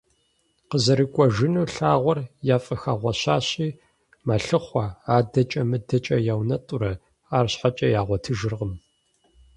КъызэрыкӀуэжыну лъагъуэр яфӀыхэгъуэщащи мэлъыхъуэ, адэкӀэ-мыдэкӀэ яунэтӀурэ, арщхьэкӀэ ягъуэтыжыркъым.